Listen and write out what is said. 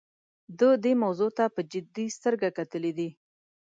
دا دې موضوع ته په جدي سترګه کتلي دي.